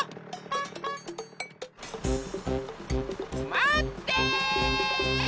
まって！